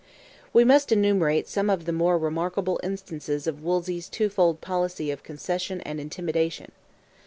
We must enumerate some of the more remarkable instances of Wolsey's twofold policy of concession and intimidation.